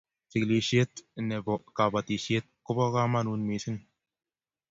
chikilishiet nebo kabatishiet kobo kamagut mising